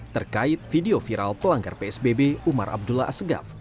terkait video viral pelanggar psbb umar abdullah asegaf